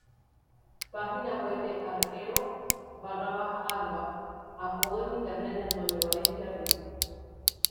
Página web de arquero_arba, apodo en Internet de Antonio Valencia Ruiz